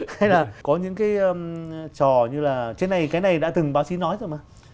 thế là có những cái trò như là trên này cái này đã từng báo chí nói rồi mà